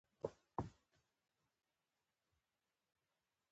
نو روغتون سم دی، ځکه په دې ځاى کې ناروغان ښه کېږي.